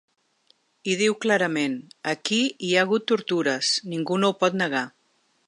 I diu clarament: Aquí hi ha hagut tortures, ningú no ho pot negar.